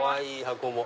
箱も。